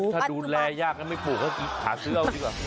ถ้าดูแลยากแล้วไม่ปลูกก็หาซื้อเอาดีกว่า